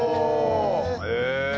へえ。